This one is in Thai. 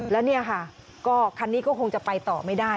แล้วเนี่ยค่ะก็คันนี้ก็คงจะไปต่อไม่ได้